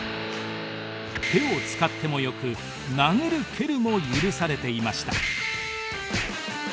手を使ってもよく殴る蹴るも許されていました。